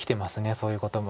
そういうことも。